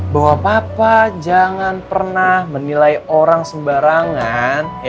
bahwa papa jangan pernah menilai orang sembarangan